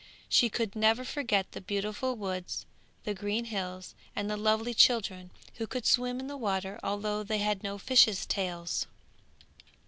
She could never forget the beautiful woods, the green hills and the lovely children who could swim in the water although they had no fishes' tails.